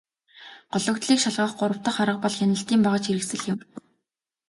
Гологдлыг шалгах гурав дахь арга бол хяналтын багажхэрэгслэл юм.